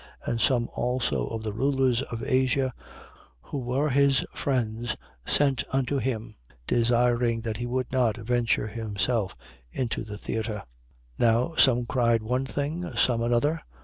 19:31. And some also of the rulers of Asia, who were his friends, sent unto him, desiring that he would not venture himself into the theatre. 19:32. Now some cried one thing, some another.